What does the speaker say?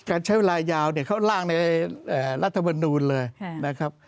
การใช้เวลายาวเนี่ยเขาล่างในรัฐมนูลเลยนะครับ